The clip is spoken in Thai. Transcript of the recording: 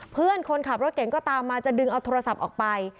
เพื่อนคนขับรถเก่งก็ตามมาจะดึงเอาโทรศัพท์ออกไป